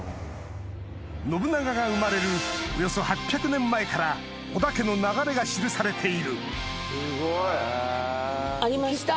信長が生まれるおよそ８００年前から織田家の流れが記されているありました。